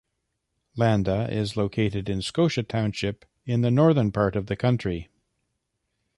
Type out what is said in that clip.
Landa is located in Scotia Township in the northern part of the county.